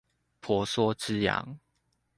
婆娑之洋